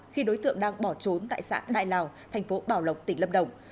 khi đối tượng đang bỏ trốn tại xã đại lào thành phố bảo lộc tỉnh lâm đồng